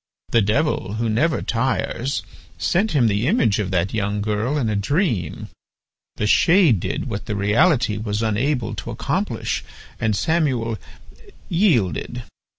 The Devil, who never tires, sent him the image of that young girl in a dream. The shade did what the reality was unable to accomplish, and Samuel yielded.